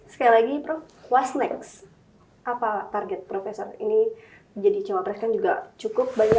sekali lagi prof apa target profesor ini menjadi cewek pres